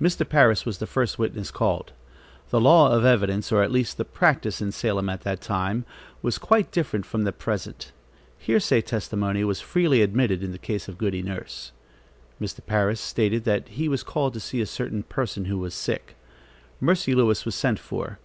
Mr. Parris was the first witness called. The law of evidence, or at least the practice in Salem at that time, was quite different from the present. Hearsay testimony was freely admitted in the case of Goody Nurse. Mr. Parris stated that he was called to see a certain person who was sick. Mercy Lewis was sent for.